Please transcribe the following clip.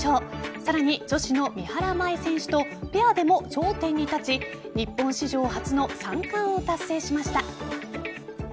さらに、女子の三原舞依選手とペアでも頂点に立ち日本史上初の３冠を達成しました。